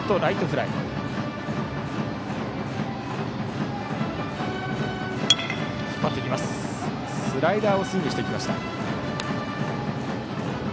スライダーをスイングしました。